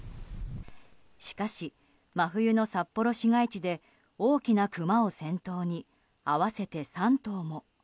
しかし、真冬の札幌市街地で大きなクマを先頭に合わせて３頭も。